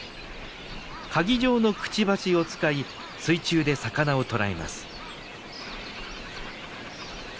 かぎ状のくちばしを使い水中で魚を捕らえます。